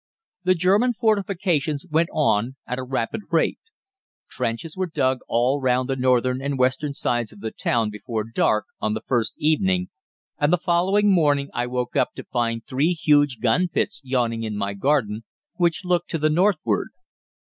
"The German fortifications went on at a rapid rate. Trenches were dug all round the northern and western sides of the town before dark on the first evening, and the following morning I woke up to find three huge gun pits yawning in my garden, which looked to the northward.